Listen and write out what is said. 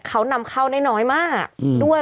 เขานำเข้าได้น้อยมากด้วย